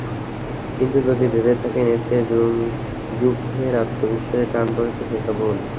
কিন্তু যদি ভেবে থাকেন, এতে জুভদের আত্মবিশ্বাসে টান পড়েছে, সেটা ভুল।